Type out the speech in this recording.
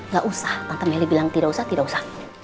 gak usah tante meli bilang tidak usah tidak usah